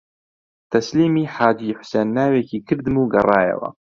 تەسلیمی حاجی حوسێن ناوێکی کردم و گەڕایەوە